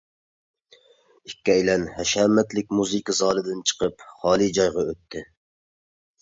ئىككىيلەن ھەشەمەتلىك مۇزىكا زالىدىن چىقىپ خالىي جايغا ئۆتتى.